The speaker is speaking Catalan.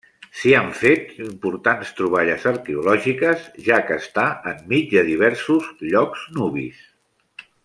S'hi han fet importants troballes arqueològiques, ja que està enmig de diversos llocs nubis.